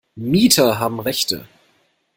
Mieter haben Rechte.